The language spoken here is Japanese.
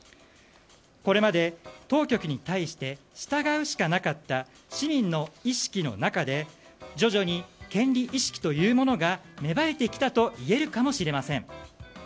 これまで当局に対して従うしかなかった市民の意識の中で徐々に権利意識というものが芽生えてきたといえるかもしれません。